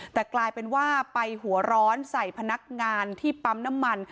แต่กลายเป็นว่าไปหัวร้อนใส่พนักงานที่ปั๊มน้ำมัน